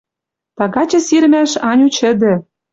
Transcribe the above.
«Тагачы сирмӓш, Аню, чӹдӹ